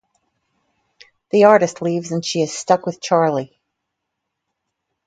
The artist leaves and she is stuck with Charlie.